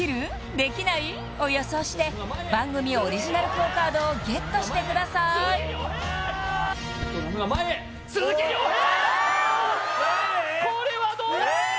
できない？を予想して番組オリジナルＱＵＯカードをＧＥＴしてください前へ鈴木亮平！